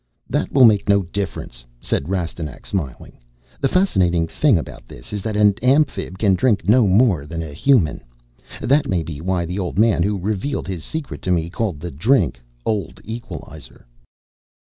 "That will make no difference," said Rastignac, smiling. "The fascinating thing about this is that an Amphib can drink no more than a Human. That may be why the old man who revealed his secret to me called the drink Old Equalizer."